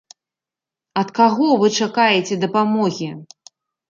Ад каго вы чакаеце дапамогі?